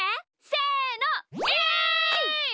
せの！